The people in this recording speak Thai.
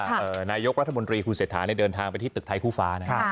ประหลังจากนายยกรัฐมนตรีคุณเศรษฐาเดินทางที่ตึกไทยครูฟา